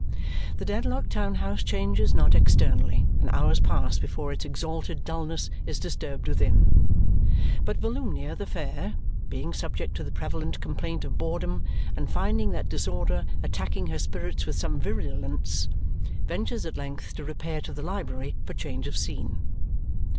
The Dedlock town house changes not externally, and hours pass before its exalted dullness is disturbed within. But Volumnia the fair, being subject to the prevalent complaint of boredom and finding that disorder attacking her spirits with some virulence, ventures at length to repair to the library for change of scene.